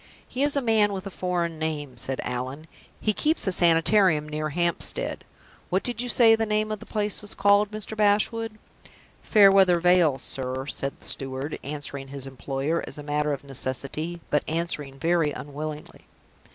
"He is a man with a foreign name," said Allan. "He keeps a Sanitarium near Hampstead. What did you say the place was called, Mr. Bashwood?" "Fairweather Vale, sir," said the steward, answering his employer, as a matter of necessity, but answering very unwillingly.